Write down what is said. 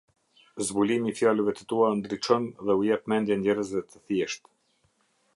Zbulimi i fjalëve të tua ndriçon dhe u jep mendje njerëzve të thjeshtë.